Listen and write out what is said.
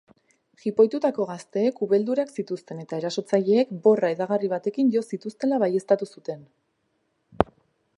Jipoitutako gazteek ubeldurak zituzten eta erasotzaileek borra hedagarri batekin jo zituztela baieztatu zuten.